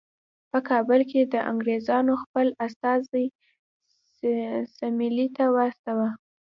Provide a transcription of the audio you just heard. په کابل کې د انګریزانو خپل استازی سیملې ته واستاوه.